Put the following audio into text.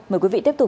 mời quý vị tiếp tục